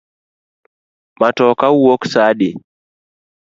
Matoka wuok sa adi?